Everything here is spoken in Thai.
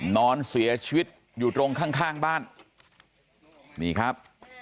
นอนเสียชีวิตอยู่ตรงข้างข้างบ้านนี่ครับ